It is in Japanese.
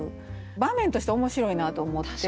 場面として面白いなと思って。